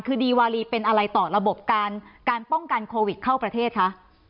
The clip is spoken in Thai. คือดีวารีเป็นอะไรต่อระบบการป้องกันโควิดเข้าประเทศคะ